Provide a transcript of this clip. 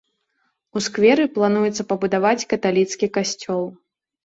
У скверы плануецца пабудаваць каталіцкі касцёл.